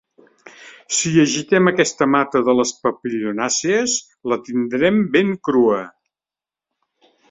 Si agitem aquesta mata de les papilionàcies la tindrem ben crua.